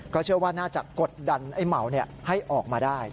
เชื่อว่าน่าจะกดดันไอ้เหมาให้ออกมาได้